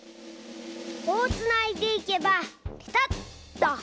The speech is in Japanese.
こうつないでいけばピタッと！